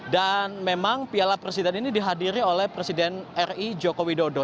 dan memang piala presiden ini dihadiri oleh presiden ri joko widodo